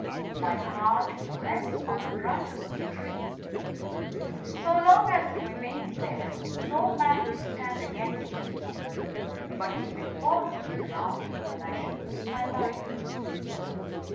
My heart rests on the branches of a tree. So long as it remains there, no man 103 can stand against me ; but if it falls to the ground, then I shall lose my life."